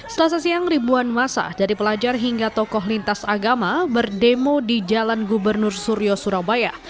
selasa siang ribuan masa dari pelajar hingga tokoh lintas agama berdemo di jalan gubernur suryo surabaya